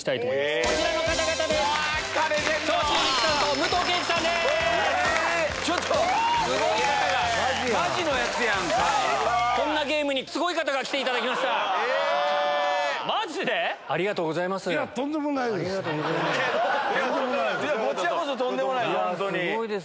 こちらこそとんでもないです。